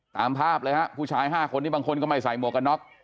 ตามภาพเลยครับผู้ชาย๕คนบางคนก็ไม่ใส่หมวกกันนก